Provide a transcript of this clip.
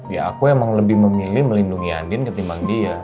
ya aku emang lebih memilih melindungi andin ketimbang dia